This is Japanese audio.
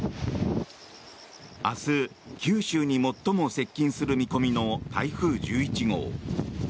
明日九州に最も接近する見込みの台風１１号。